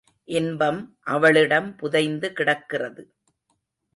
இன்பம் அவளிடம் புதைந்து கிடக்கிறது.